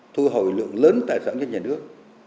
thu hồi lượng lớn tài sản cho nhà nước